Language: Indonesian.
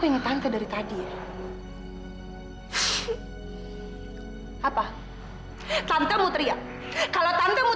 kenapa tante diem aja